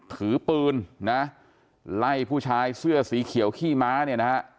ถือปืนนะไล่ผู้ชายเสื้อสีเขียวขี้ม้าเนี่ยนะฮะ